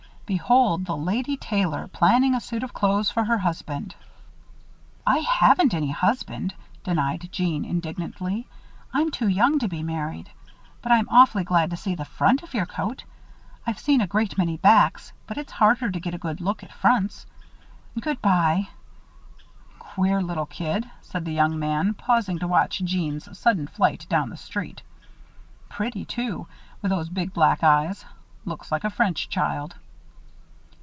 Behold the lady tailor, planning a suit of clothes for her husband." "I haven't any husband," denied Jeanne, indignantly. "I'm too young to be married. But I'm awfully glad to see the front of your coat. I've seen a great many backs; but it's harder to get a good look at fronts. Good by." "Queer little kid!" said the young man, pausing to watch Jeanne's sudden flight down the street. "Pretty, too, with those big black eyes. Looks like a French child."